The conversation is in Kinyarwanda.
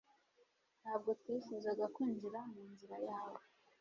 ntabwo twifuzaga kwinjira mu nzira yawe